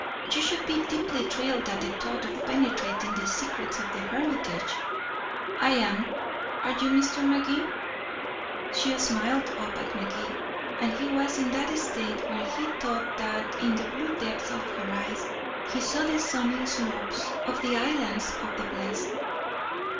"You should be deeply thrilled at the thought of penetrating the secrets of the hermitage. I am. Are you, Mr. Magee?" She smiled up at Magee, and he was in that state where he thought that in the blue depths of her eyes he saw the sunny slopes of the islands of the blest.